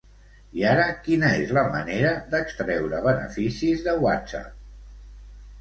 I ara, quina és la manera d'extreure beneficis de WhatsApp?